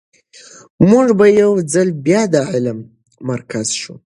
موږ به یو ځل بیا د علم مرکز شو.